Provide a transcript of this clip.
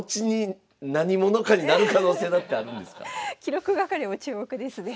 でその記録係も注目ですね。